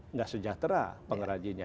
enggak sejahtera pengrajinya